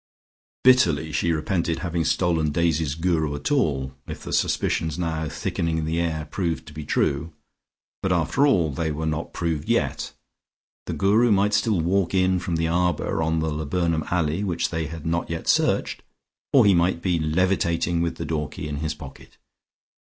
Bitterly she repented having stolen Daisy's Guru at all, if the suspicions now thickening in the air proved to be true, but after all they were not proved yet. The Guru might still walk in from the arbor on the laburnum alley which they had not yet searched, or he might be levitating with the door key in his pocket.